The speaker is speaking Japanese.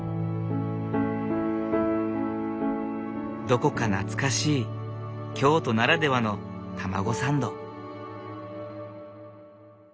どこか懐かしい京都ならではのたまごサンド。